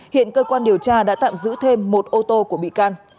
hiện cơ quan điều tra đã tạm giữ thêm một ô tô của bị can